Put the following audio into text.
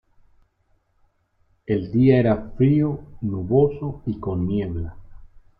El día era frío, nuboso y con niebla.